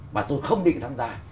mà tôi không định tham gia